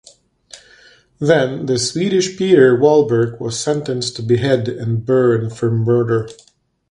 Then the Swedish Peder Wallberg was sentenced to behead and burn for murder.